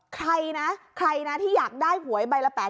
ใครนะใครนะที่อยากได้หวยใบละ๘๐๐